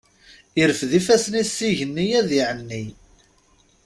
Irfed ifassen-is s igenni, ad iεenni.